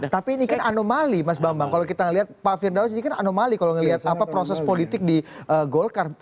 tapi ini kan anomali mas bambang kalau kita melihat pak firdaus ini kan anomali kalau melihat proses politik di golkar